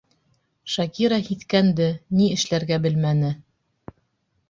Шакира һиҫкәнде, ни эшләргә белмәне.